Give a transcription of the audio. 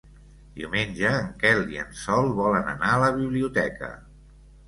Diumenge en Quel i en Sol volen anar a la biblioteca.